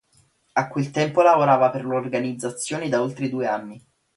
A quel tempo lavorava per l'organizzazione da oltre due anni.